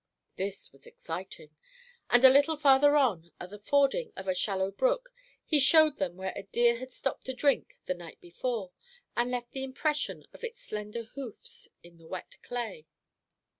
This was exciting. And a little farther on, at the fording of a shallow brook, he showed them where a deer had stopped to drink the night before, and left the impression of his slender hoofs in the wet clay.